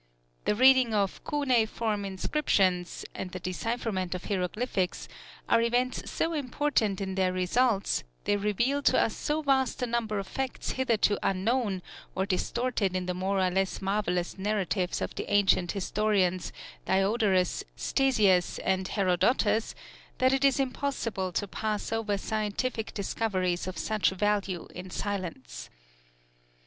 The reading of cuneiform inscriptions, and the decipherment of hieroglyphics are events so important in their results, they reveal to us so vast a number of facts hitherto unknown, or distorted in the more or less marvellous narratives of the ancient historians Diodorus, Ctesias, and Herodotus, that it is impossible to pass over scientific discoveries of such value in silence.